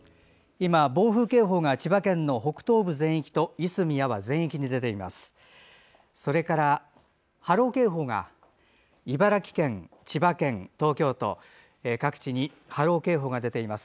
今、暴風警報が千葉県の北東部全域と夷隅・安房全域に出ています。